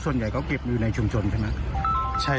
ส่วนใหญ่ก็เก็บอยู่ในชุมชนใช่ไหม